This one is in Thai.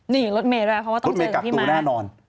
นี่รถเมฆด้วยเพราะว่าต้องเจอกับพี่ม้า